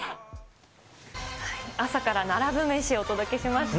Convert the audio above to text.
朝から並ぶメシお届けしました。